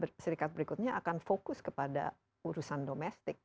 amerika serikat berikutnya akan fokus kepada urusan domestik